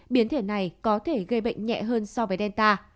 biến thể này có thể gây bệnh nhẹ hơn so với delta